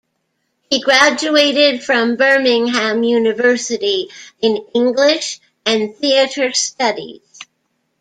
He graduated from Birmingham University in English and Theatre Studies.